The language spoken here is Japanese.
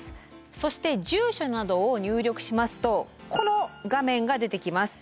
そして住所などを入力しますとこの画面が出てきます。